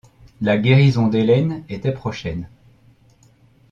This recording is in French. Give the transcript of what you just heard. La guérison d’Ellen était prochaine…